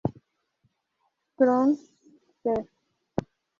Chron., ser.